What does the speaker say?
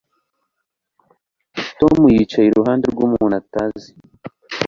Tom yicaye iruhande rwumuntu atazi